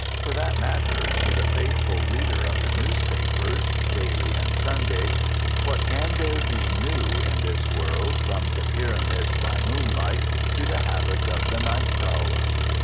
For that matter, to the faithful reader of the newspapers, daily and Sunday, what can there be new in this world from the Pyramids by moonlight to the habits of the night prowler?